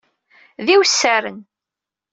D iwessaren.